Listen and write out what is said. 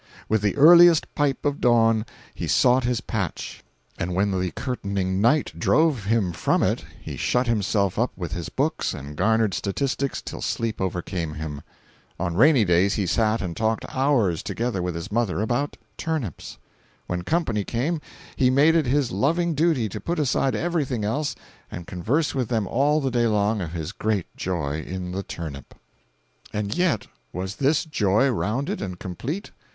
With the earliest pipe of dawn he sought his patch, and when the curtaining night drove him from it he shut himself up with his books and garnered statistics till sleep overcame him. On rainy days he sat and talked hours together with his mother about turnips. When company came, he made it his loving duty to put aside everything else and converse with them all the day long of his great joy in the turnip. 507.jpg (67K) "And yet, was this joy rounded and complete?